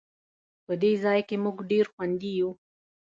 په دې ځای کې مونږ ډېر خوندي یو